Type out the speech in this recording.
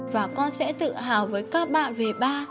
và con sẽ tự hào với các bạn về ba